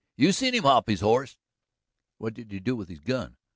You seen him hop his horse." "What did you do with his gun?"